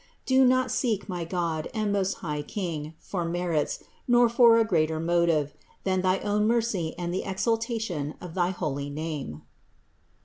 Do not seek, my God and most high King, for merits, nor for a greater motive, than thy own mercy and the exaltation of thy holy name."